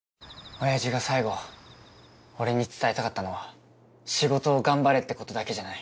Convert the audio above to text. おやじが最後俺に伝えたかったのは仕事を頑張れってことだけじゃない。